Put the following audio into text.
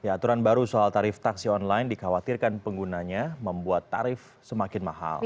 aturan baru soal tarif taksi online dikhawatirkan penggunanya membuat tarif semakin mahal